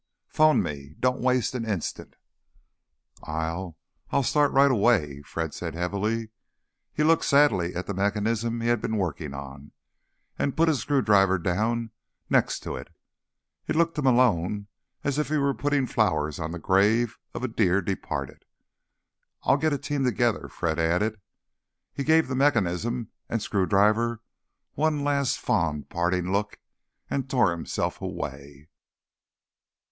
Phone me. Don't waste an instant." "I'll—I'll start right away," Fred said heavily. He looked sadly at the mechanism he had been working on, and put his screwdriver down next to it. It looked to Malone as if he were putting flowers on the grave of a dear departed. "I'll get a team together," Fred added. He gave the mechanism and screwdriver one last fond parting look, and tore himself away.